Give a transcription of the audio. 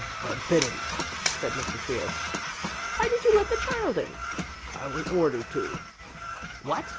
"Forbidden," said Mr. Trius. "Why did you let the child in?" "I was ordered to." "What?